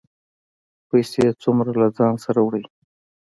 پیسې څومره له ځانه سره وړئ؟